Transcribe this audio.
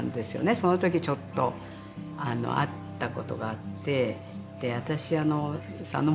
そのときちょっとあったことがあって。